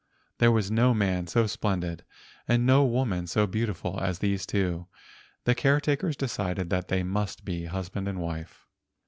There was no man so splendid and no woman so beautiful as these two. The caretakers decided that they must be husband and wife.